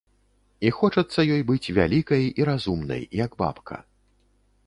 І хочацца ёй быць вялікай і разумнай, як бабка.